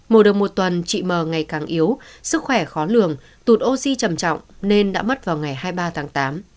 mổ được một tuần chị m ngày càng yếu sức khỏe khó lường tụt oxy trầm trọng nên đã mất vào ngày hai mươi ba tháng tám